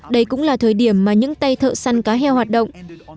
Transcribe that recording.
đây cũng là thời điểm mà những tay thợ săn cá heo hoạt động